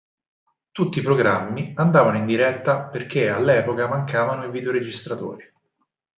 Tutti i programmi andavano in diretta perché all'epoca mancavano i videoregistratori.